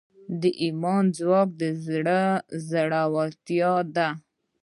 د ایمان ځواک د زړه زړورتیا ده.